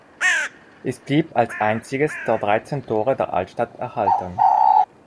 Es blieb als einziges der dreizehn Tore der Altstadt erhalten.